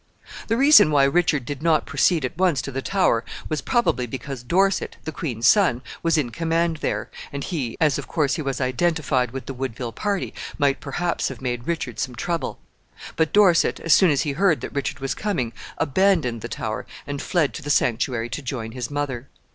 The reason why Richard did not proceed at once to the Tower was probably because Dorset, the queen's son, was in command there, and he, as of course he was identified with the Woodville party, might perhaps have made Richard some trouble. But Dorset, as soon as he heard that Richard was coming, abandoned the Tower, and fled to the sanctuary to join his mother.